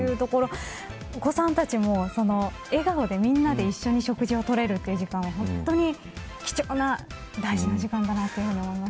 お子さんたちも笑顔でみんなが一緒に食事をとれるという時間は本当に貴重な大事な時間だというふうに思います。